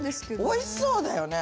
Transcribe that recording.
おいしそうだよね。